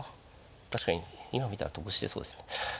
確かに今見たら得してそうですね。